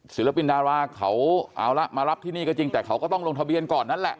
ศิลปินดาราเขาเอาละมารับที่นี่ก็จริงแต่เขาก็ต้องลงทะเบียนก่อนนั่นแหละ